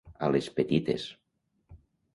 A les petites.